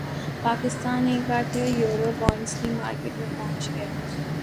پاکستان ایک بار پھر یورو بانڈز کی مارکیٹ میں پہنچ گیا